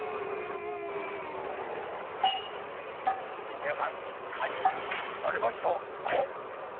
みなさん蚊になれました